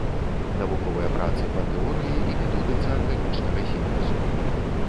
Навуковыя працы па тэорыі і методыцы арганічнага сінтэзу.